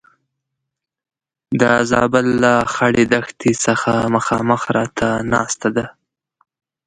د زابل له خړې دښتې څخه مخامخ راته ناسته ده.